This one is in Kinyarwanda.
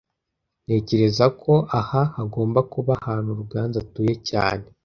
Ntekereza ko aha hagomba kuba ahantu Ruganzu atuye cyane